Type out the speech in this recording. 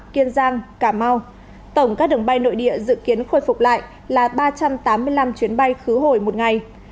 kiên giang cà mau tổng các đường bay nội địa dự kiến khôi phục lại là ba trăm tám mươi năm chuyến bay khứ hồi một ngày